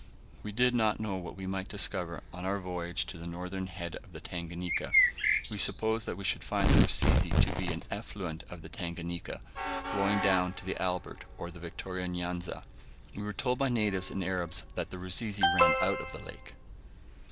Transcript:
We did not know what we might discover on our voyage to the northern head of the Tanganika; we supposed that we should find the Rusizi to be an effluent of the Tanganika, flowing down to the Albert or the Victoria N'Yanza. We were told by natives and Arabs that the Rusizi ran out of the lake.